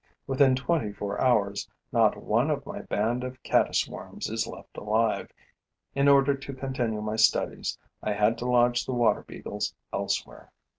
Within twenty four hours, not one of my band of caddis worms is left alive. In order to continue my studies, I had to lodge the water beetles elsewhere.